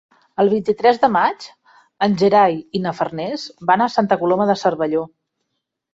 El vint-i-tres de maig en Gerai i na Farners van a Santa Coloma de Cervelló.